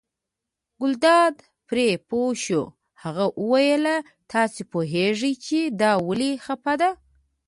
ګلداد پرې پوه شو، هغه وویل تاسې پوهېږئ چې دا ولې خپه دی.